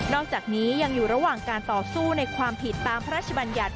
อกจากนี้ยังอยู่ระหว่างการต่อสู้ในความผิดตามพระราชบัญญัติ